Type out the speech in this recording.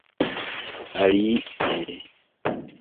alie